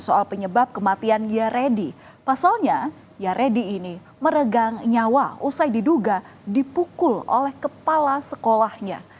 soal penyebab kematian yaredi pasalnya yaredi ini meregang nyawa usai diduga dipukul oleh kepala sekolahnya